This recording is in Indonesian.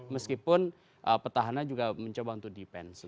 meskipun petahana juga mencoba untuk defensi